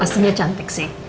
pastinya cantik sih